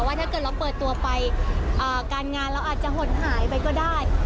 ถ้าเกิดเราเปิดตัวไปการงานเราอาจจะหดหายไปก็ได้